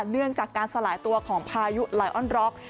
เนื่องจากการสลายตัวของพายุไลออนร็อก